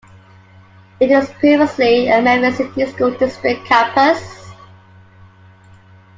It was previously a Memphis City Schools district campus.